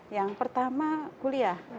yang pertama kuliah